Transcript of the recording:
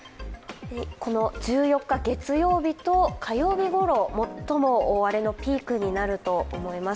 １４日月曜日と、火曜日ごろ最も大荒れのピークになると思います。